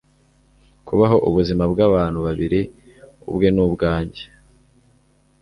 kubaho ubuzima bw'abantu babiri ubwe n'ubwanjye